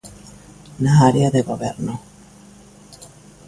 Na área de Goberno.